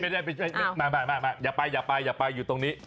เฮ้ยมาอย่าไปอย่าไปอยู่ตรงนี้